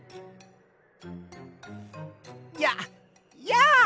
ややあ！